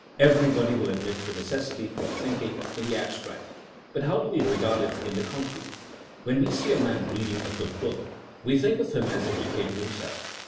Everybody will admit the necessity for thinking — ^in the abstract. But how do we regard it in the concrete? When we see a man reading a good book, we think of him as educating him self.